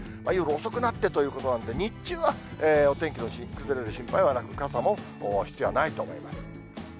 夜遅くなってということなんで、日中はお天気の崩れる心配はなく、傘も必要ないと思います。